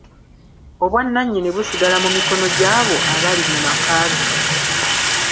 Obwannannyini busigala mu mikono gy’abo abali mu maka ge.